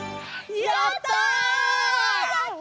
やった！